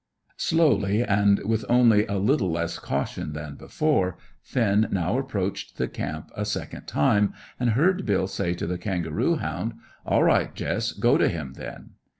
Slowly, and with only a little less caution than before, Finn now approached the camp a second time, and heard Bill say to the kangaroo hound: "All right, Jess; go to him, then!"